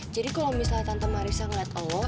jadi kalau misalnya tante marissa ngeliat allah